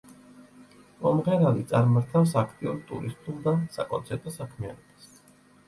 მომღერალი წარმართავს აქტიურ ტურისტულ და საკონცერტო საქმიანობას.